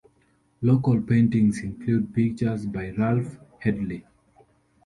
Local paintings include pictures by Ralph Hedley.